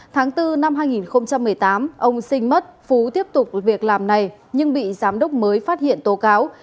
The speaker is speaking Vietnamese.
tháng bốn năm hai nghìn một mươi tám ông sinh mất phú tiếp tục việc làm này nhưng bị giám đốc mới phát hiện tố cáo